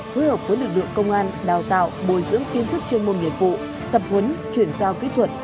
phối hợp với lực lượng công an đào tạo bồi dưỡng kiến thức chuyên môn nghiệp vụ tập huấn chuyển giao kỹ thuật